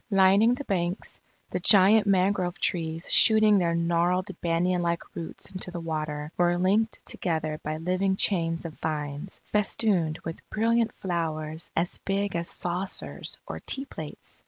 Lining the banks, the giant mangrove trees shooting their gnarled banyan like roots into the water, were linked together by living chains of vines, festooned with brilliant flowers as big as saucers or teaplates.